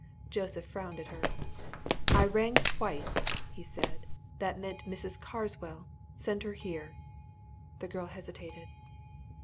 Joseph frowned at her. "I rang twice!" he said. "That meant Mrs. Carswell. Send her here." The girl hesitated.